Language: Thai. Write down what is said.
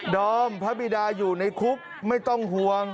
อมพระบิดาอยู่ในคุกไม่ต้องห่วง